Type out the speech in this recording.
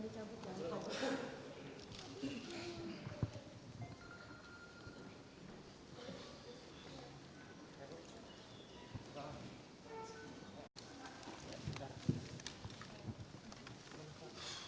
jangan dicabut jangan dicabut